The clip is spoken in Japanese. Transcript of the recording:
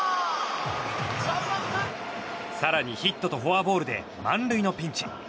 更にヒットとフォアボールで満塁のピンチ。